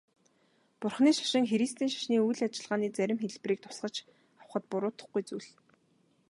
Бурханы шашин христийн шашны үйл ажиллагааны зарим хэлбэрийг тусгаж авахад буруудах зүйлгүй.